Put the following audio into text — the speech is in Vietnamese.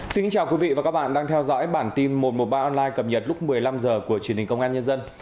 xin chào quý vị và các bạn đang theo dõi bản tin một trăm một mươi ba online cập nhật lúc một mươi năm h của truyền hình công an nhân dân